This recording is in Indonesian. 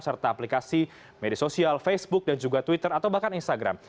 serta aplikasi media sosial facebook dan juga twitter atau bahkan instagram